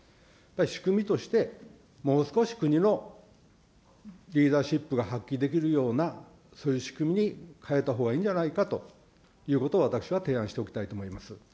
仕組みとして、もう少し国のリーダーシップが発揮できるような、そういう仕組みに変えたほうがいいんじゃないかということを、私は提案しておきたいと思います。